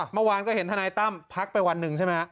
เมื่อวานก็เห็นทนายตั้มพักไปวันหนึ่งใช่ไหมฮะ